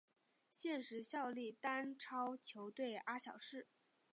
现时效力丹超球队阿晓士。